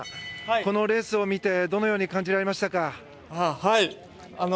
このレースを見てどのように感じられましたか？